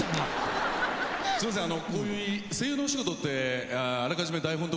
すいませんあの。